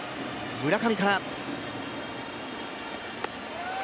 村上から。